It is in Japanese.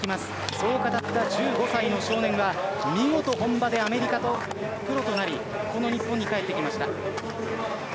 そう語った１５歳の少年は見事、本場アメリカでプロとなりこの日本に帰ってきました。